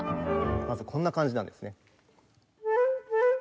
まずこんな感じなんですね。